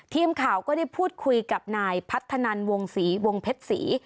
ทีมข่าวก็ได้พูดคุยกับนายพัฒนันวงศรีวงเพชรศรี